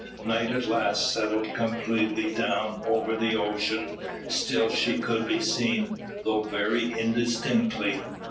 Night at last settled completely down over the ocean; still she could be seen, though very indistinctly.